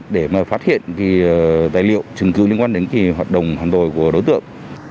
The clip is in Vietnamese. để mà phát hiện tài liệu chứng cứ liên quan đến hoạt động hoàn toàn của đối tượng